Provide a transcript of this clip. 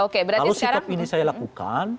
kalau sikap ini saya lakukan